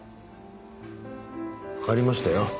わかりましたよ。